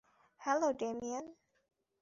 Hello, Damien!